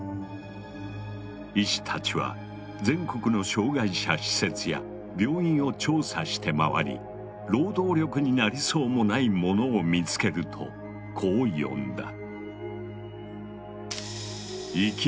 医師たちは全国の障害者施設や病院を調査してまわり労働力になりそうもない者を見つけるとこう呼んだ。